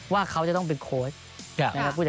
ว่าเขาจะต้องเป็นโค้ช